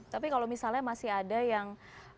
tapi kalau misalnya masih ada yang